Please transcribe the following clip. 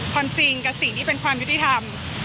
ความจริงกับสิ่งที่เป็นความยุติธรรม